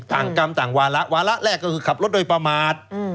ต่างกรรมต่างวาระวาระแรกก็คือขับรถโดยประมาท